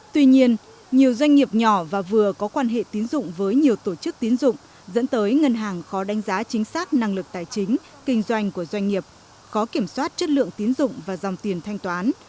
tuy nhiên nhiều doanh nghiệp nhỏ và vừa có quan hệ tín dụng với nhiều tổ chức tiến dụng dẫn tới ngân hàng khó đánh giá chính xác năng lực tài chính kinh doanh của doanh nghiệp khó kiểm soát chất lượng tiến dụng và dòng tiền thanh toán